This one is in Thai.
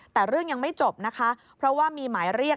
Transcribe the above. แต่เรื่องยังไม่จบนะคะเพราะว่ามีหมายเรียก